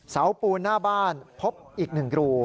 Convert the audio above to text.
เสาปูนหน้าบ้านพบอีก๑รู